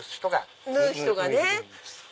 縫う人がね。